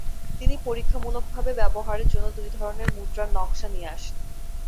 তিনি পরীক্ষামূলকভাবে ব্যবহারের জন্য দুই ধরনের মুদ্রার নক্সা নিয়ে আসেন।